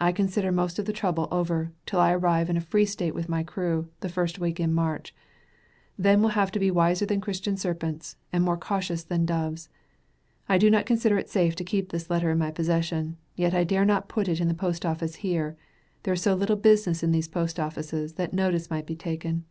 I consider most of the trouble over, till I arrive in a free State with my crew, the first week in March; then will I have to be wiser than Christian serpents, and more cautious than doves. I do not consider it safe to keep this letter in my possession, yet I dare not put it in the post office here; there is so little business in these post offices that notice might be taken.